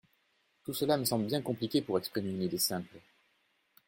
Tout cela me semble bien compliqué pour exprimer une idée simple.